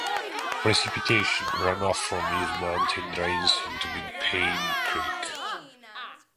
Precipitation runoff from this mountain drains into Big Pine Creek.